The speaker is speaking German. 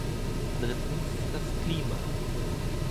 Drittens das Klima.